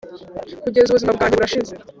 kugeza ubuzima bwanjye burashize.